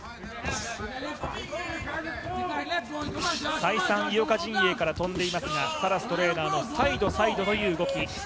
再三井岡陣営から飛んでいますが、サラストレーナーのサイドサイドという動き。